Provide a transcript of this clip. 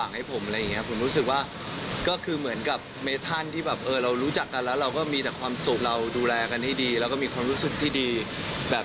จริงนะไม่ใช่แบบว่าหวานมันแปลงแล้วค่อยเฟสนะ